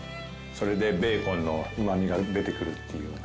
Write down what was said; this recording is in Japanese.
それでベーコンのうまみが出てくるっていうような。